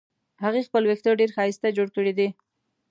هغې خپل وېښته ډېر ښایسته جوړ کړې دي